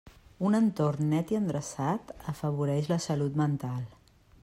Un entorn net i endreçat afavoreix la salut mental.